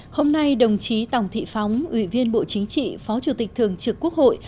hôm nay đồng chí tòng thị phóng ủy viên bộ chính trị phó chủ tịch thường trực quốc hội